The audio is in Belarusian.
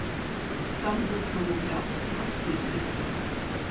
Там ёсць на вуглях, на спірце.